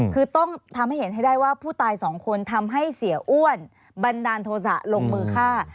คือต้องทำให้เห็นให้ได้ว่าผู้ตายสองคนทำให้เสียอ้วนบันดาลโทษะลงมือฆ่า